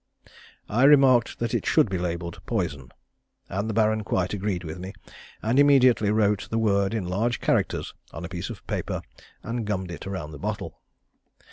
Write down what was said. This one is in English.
I remarked that it should be labelled "poison," and the Baron quite agreed with me, and immediately wrote the word in large characters on a piece of paper and gummed it round the bottle.